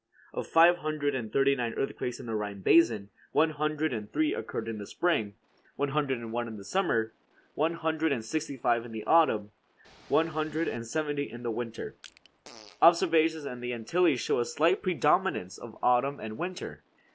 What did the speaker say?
Of five hundred and thirty nine earthquakes in the Rhine basin, one hundred and three occurred in the spring, one hundred and one in the summer, one hundred and sixty five in the autumn, one hundred and seventy in winter. Observations in the Antilles show a slight predominance of autumn and winter.